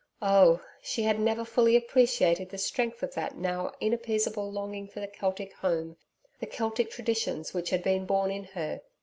Oh! she had never fully appreciated the strength of that now inappeasable longing for the Celtic home, the Celtic traditions which had been born in her.